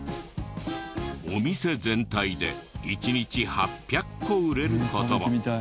お店全体で１日８００個売れる事も。